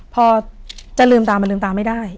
พอจะลืมตามันลืมตาไม่ได้